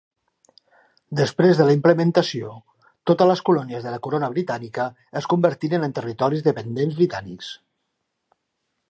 Després de la implementació, totes les colònies de la corona britànica es convertiren en territoris dependents britànics.